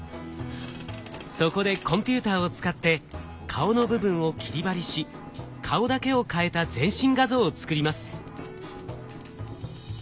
そこでコンピューターを使って顔の部分を切り貼りし顔だけを替えた全身画像を作ります。